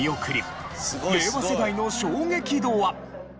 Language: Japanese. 令和世代の衝撃度は？